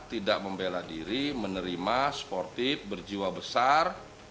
tidak membela diri menerima sportif berjiwa besar